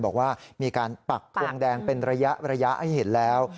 บอกว่ามีการปักทงแดงเป็นระยะให้เห็นแล้ว